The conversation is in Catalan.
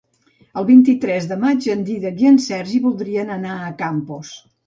El vint-i-tres de maig en Dídac i en Sergi voldrien anar a Campos.